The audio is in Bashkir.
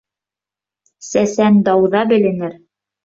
Сәсән дауҙа беленер.